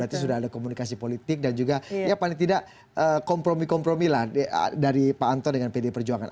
berarti sudah ada komunikasi politik dan juga ya paling tidak kompromi kompromilah dari pak anton dengan pilkada serentak dua ribu delapan belas ini